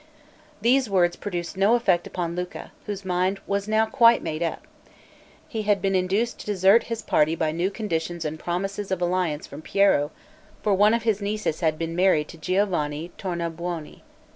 These words produced no effect upon Luca, whose mind was now quite made up; he had been induced to desert his party by new conditions and promises of alliance from Piero; for one of his nieces had been married to Giovanni Tornabuoni.